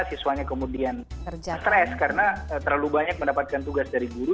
siswanya kemudian stres karena terlalu banyak mendapatkan tugas dari guru